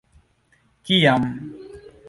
kiam